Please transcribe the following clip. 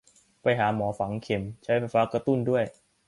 ไปหาหมอฝังเข็ม ใช้ไฟฟ้ากระตุ้นด้วย